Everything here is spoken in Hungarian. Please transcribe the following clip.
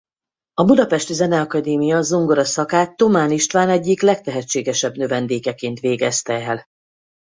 A budapesti Zeneakadémia zongora szakát Thomán István egyik legtehetségesebb növendékeként végezte el.